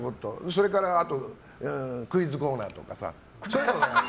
それからクイズコーナーとかさ。